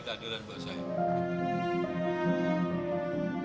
keadilan bahasa indonesia